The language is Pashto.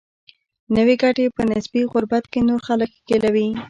نوي ګټې په نسبي غربت کې نور خلک ښکېلوي.